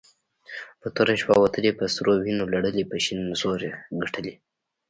په توره شپه وتلې په سرو وينو لړلې په شين زور يي ګټلې